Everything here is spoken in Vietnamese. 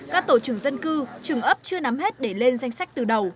các tổ trưởng dân cư trường ấp chưa nắm hết để lên danh sách từ đầu